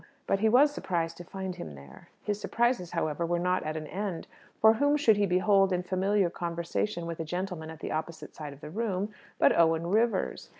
But he was surprised to find him there. His surprises, however, were not at an end; for whom should he behold in familiar conversation with a gentleman at the opposite side of the room but Owen Rivers?